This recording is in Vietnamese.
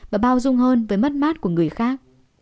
và bao dung hơn với mất mát của người khác